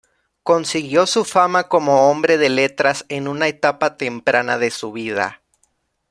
Consiguió su fama como hombre de letras en una etapa temprana de su vida.